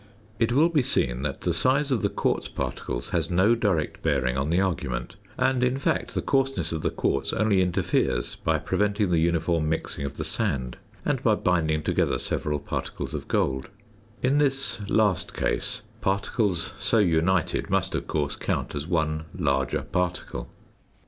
It will be seen that the size of the quartz particles has no direct bearing on the argument; and, in fact, the coarseness of the quartz only interferes by preventing the uniform mixing of the sand and by binding together several particles of gold; in this last case, particles so united must, of course, count as one larger particle.